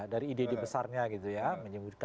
dari ide ide besarnya gitu ya